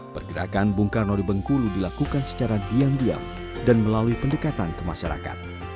pergerakan bung karno di bengkulu dilakukan secara diam diam dan melalui pendekatan ke masyarakat